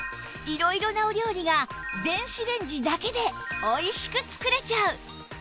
色々なお料理が電子レンジだけでおいしく作れちゃう！